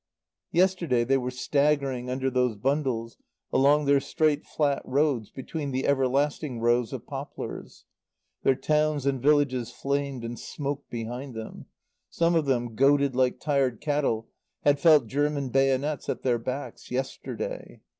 Yesterday they were staggering under those bundles along their straight, flat roads between the everlasting rows of poplars; their towns and villages flamed and smoked behind them; some of them, goaded like tired cattle, had felt German bayonets at their backs yesterday.